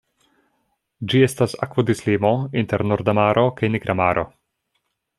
Ĝi estas akvodislimo inter Norda Maro kaj Nigra Maro.